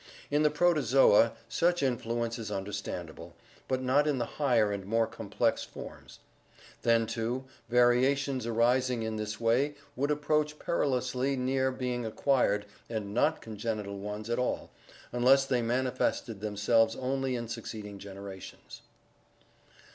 In the Protozoa such influence is understandable, but not in the higher and more complex forms. Then, too, variations arising in this way would approach perilously near being acquired and not congenital ones at all, unless they manifested themselves only in succeeding genera tions.